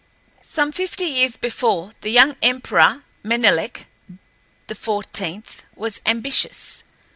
Some fifty years before, the young emperor, Menelek XIV, was ambitious.